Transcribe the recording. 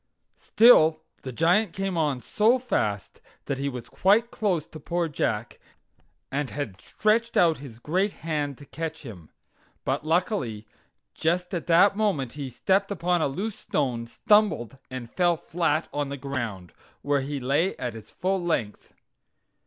Still the Giant came on so fast that he was quite close to poor Jack, and had stretched out his great hand to catch him. But, luckily, just at that moment he stepped upon a loose stone, stumbled, and fell flat on the ground, where he lay at his full length.